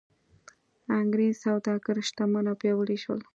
انګرېز سوداګر شتمن او پیاوړي شول.